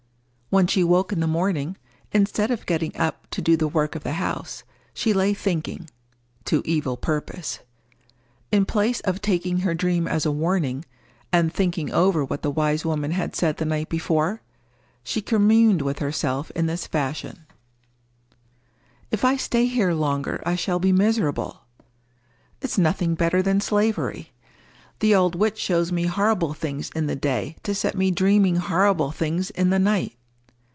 When she woke in the morning, instead of getting up to do the work of the house, she lay thinking—to evil purpose. In place of taking her dream as a warning, and thinking over what the wise woman had said the night before, she communed with herself in this fashion:— "If I stay here longer, I shall be miserable, It is nothing better than slavery. The old witch shows me horrible things in the day to set me dreaming horrible things in the night.